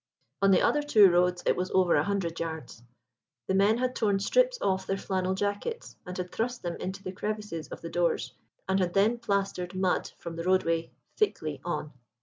On the other two roads it was over a hundred yards. The men had torn strips off their flannel jackets and had thrust them into the crevices of the doors, and had then plastered mud from the roadway thickly on.